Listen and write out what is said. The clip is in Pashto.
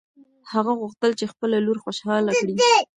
هغه غوښتل چې خپله لور خوشحاله کړي.